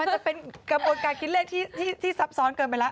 จะเป็นกระบวนการคิดเลขที่ซับซ้อนเกินไปแล้ว